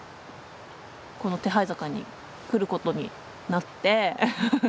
この手這坂に来ることになって。